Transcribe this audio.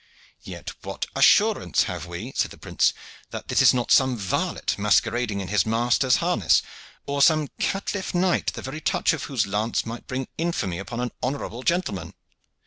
"Yet what assurance have we," said the prince, "that this is not some varlet masquerading in his master's harness, or some caitiff knight, the very touch of whose lance might bring infamy upon an honorable gentleman?"